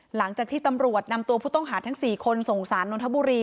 หลังจากที่ตำรวจนำตัวผู้ต้องหาทั้ง๔คนส่งสารนนทบุรี